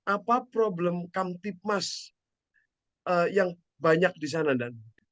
apa problem kamtipmas yang banyak di sana dan